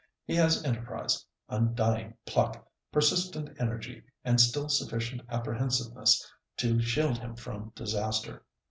He has enterprise, undying pluck, persistent energy, and still sufficient apprehensiveness to shield him from disaster.